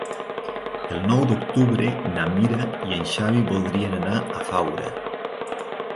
El nou d'octubre na Mira i en Xavi voldrien anar a Faura.